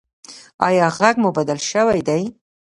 ایا غږ مو بدل شوی دی؟